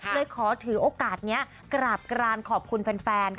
เลยขอถือโอกาสนี้กราบกรานขอบคุณแฟนค่ะ